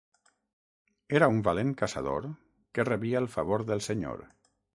Era un valent caçador que rebia el favor del Senyor.